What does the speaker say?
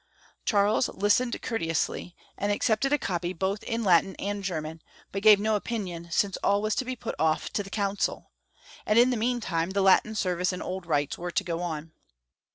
Charles listened courteously, and accepted a copy both in Latin and German, but gave no opinion, since all was to be put off to the council, and in the mean time the Latm service and old rites were to go on.